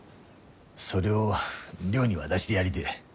それを亮に渡してやりでえ。